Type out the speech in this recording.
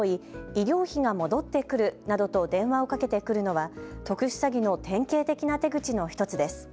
医療費が戻ってくるなどと電話をかけてくるのは特殊詐欺の典型的な手口の１つです。